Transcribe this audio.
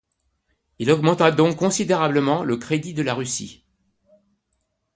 Il augmenta donc considérablement le crédit de la Russie.